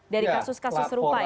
dari kasus kasus serupa ya